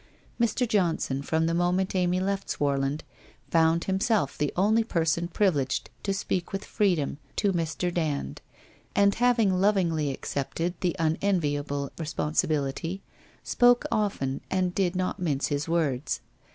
Mr. Johnson, from the moment Amy left Swarland, found himself the only person privileged to speak with freedom to Mr. Dand, and having lovingly accepted the unenviable responsibility, spoke often and did not mince his words.